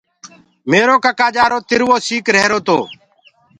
ميرو سيوٽ تِروو سيٚڪ رهيرو تو۔